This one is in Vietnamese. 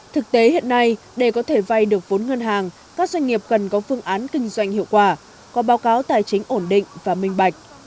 thực tế hiện nay để có thể vay được vốn ngân hàng các doanh nghiệp cần có phương án kinh doanh hiệu quả có báo cáo tài chính ổn định và minh bạch